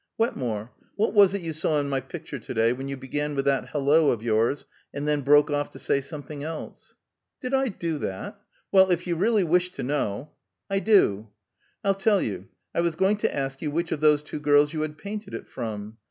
"Wetmore, what was it you saw in my picture today, when you began with that 'Hello' of yours, and then broke off to say something else?" "Did I do that? Well, if you really wish to know " "I do!" "I'll tell you. I was going to ask you which of those two girls you had painted it from.